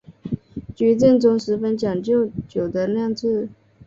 菊正宗十分讲究酒的酿制。